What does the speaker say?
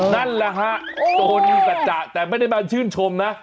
นั่นแหละฮะจนสัจจะแต่ไม่ได้มาชื่นชมนะ